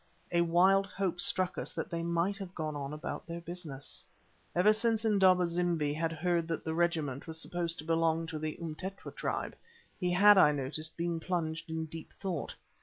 A wild hope struck us that they might have gone on about their business. Ever since Indaba zimbi had heard that the regiment was supposed to belong to the Umtetwa tribe, he had, I noticed, been plunged in deep thought.